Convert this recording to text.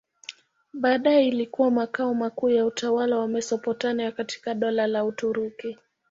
Baadaye ilikuwa makao makuu ya utawala wa Mesopotamia katika Dola la Uturuki.